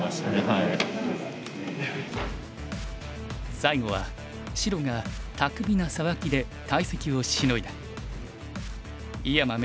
最後は白が巧みなサバキで大石をシノいだ。